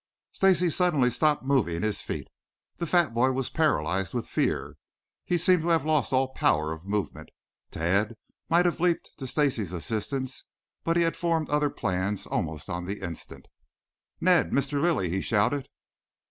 Stacy suddenly stopped moving his feet. The fat boy was paralyzed with fear. He seemed to have lost all power of movement. Tad might have leaped in to Stacy's assistance, but he had formed other plans almost on the instant. "Ned! Mr. Lilly!" he shouted.